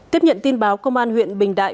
tiếp nhận tin báo công an huyện bình đại